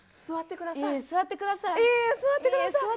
座ってください。